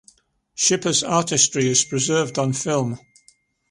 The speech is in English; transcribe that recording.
Schipa's artistry is preserved on film.